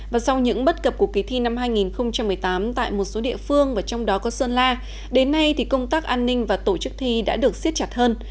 và sau những bất cập của kỳ thi năm hai nghìn một mươi tám tại một số địa phương và trong đó có sơn la đến nay thì công tác an ninh và tổ chức thi đã được siết chặt hơn